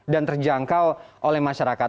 dan terjangkau oleh masyarakat